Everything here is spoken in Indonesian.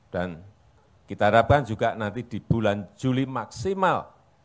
dan kita harapkan juga nanti di bulan juli maksimal